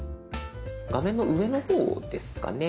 画面の上の方ですかね。